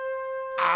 あ！